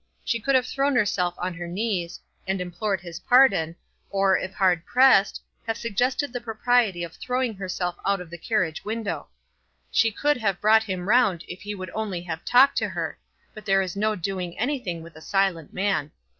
She could have thrown herself on her knees, and implored his pardon; or, if hard pressed, have suggested the propriety of throwing herself out of the carriage window. She could have brought him round if he would only have talked to her, but there is no doing anything with a silent man.